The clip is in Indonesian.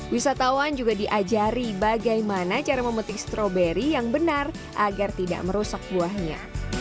wisatawan juga diajari bagaimana cara memetik stroberi yang benar agar tidak merusak buahnya